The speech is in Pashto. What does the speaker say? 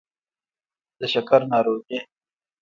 د شکر ناروغي